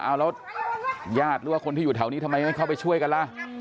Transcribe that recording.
เอาแล้วญาติหรือว่าคนที่อยู่แถวนี้ทำไมไม่เข้าไปช่วยกันล่ะ